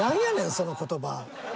その言葉。